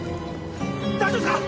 大丈夫ですか？